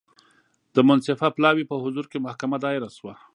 د منصفه پلاوي په حضور کې محکمه دایره شوه.